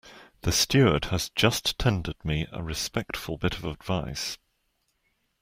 The steward has just tendered me a respectful bit of advice.